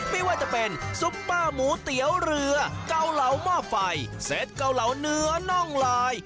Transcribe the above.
ไม่ว่าจะเป็นซุปเปอร์หมูเตี๋ยวเรือเกาเหลาหม้อไฟเซ็ตเกาเหลาเนื้อน่องลาย